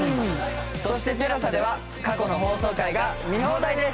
そしてＴＥＬＡＳＡでは過去の放送回が見放題です。